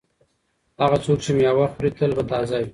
هغه څوک چې مېوه خوري تل به تازه وي.